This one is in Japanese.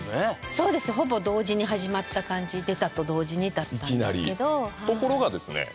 そうですほぼ同時に始まった感じ出たと同時にだったんですけどところがですね